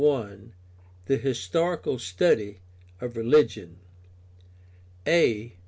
THE HISTORICAL STUDY OF RELIGION A.